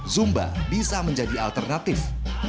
zumba bisa menjadi alternatif